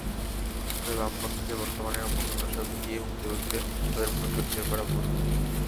তবে বামপন্থীদের বর্তমানের ভগ্নদশা দিয়ে মুক্তিযুদ্ধে তাদের ভূমিকা বিচার করা ভুল হবে।